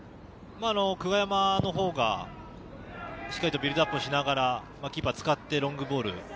久我山のほうがビルドアップしながらキーパーを使ってロングボール。